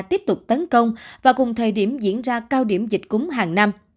tiếp tục tấn công và cùng thời điểm diễn ra cao điểm dịch cúng hàng năm